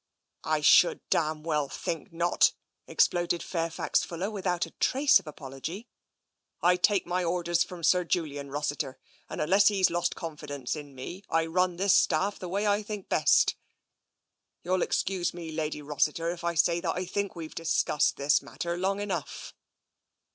" I should damned well think not," exploded Fairfi^ c Fuller, without a trace of apology. " I take my ordo ; from Sir Julian Rossiter, and until he's lost confidenc : in me, I run this staff the way I think best. You'j 184 TENSION excuse me, Lady Rossiter, if I say that I think we've discussed the matter long enough."